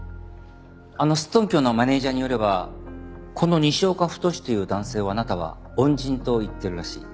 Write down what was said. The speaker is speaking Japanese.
あの素っ頓狂なマネージャーによればこの西岡太という男性をあなたは恩人と言っているらしい。